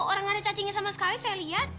orang gak ada cacingnya sama sekali saya lihat